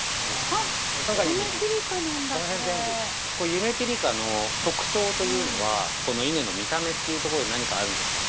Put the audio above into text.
◆ゆめぴりかの特徴というのは稲の見た目っていうところで何かあるんですか。